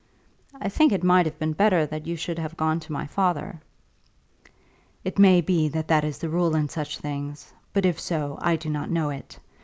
"I think it might have been better that you should have gone to my father." "It may be that that is the rule in such things, but if so I do not know it.